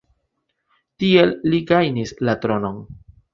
Tiel li gajnis la tronon.